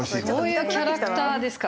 そういうキャラクターですか。